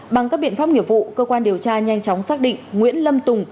bằng các biện pháp nghiệp vụ cơ quan điều tra nhanh chóng xác định nguyễn lâm tùng